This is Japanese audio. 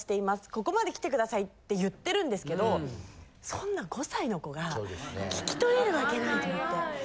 ここまで来て下さい」って言ってるんですけどそんな５歳の子が聞き取れる訳ないと思って。